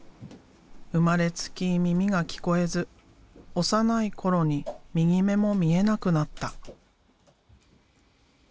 生まれつき耳が聞こえず幼い頃に右目も見えなくなった。